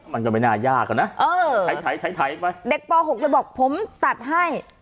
มันก็ไม่น่ายากอะนะเออไถ้ไถ้ไถ้ไถ้ไปเด็กป่าหกเลยบอกผมตัดให้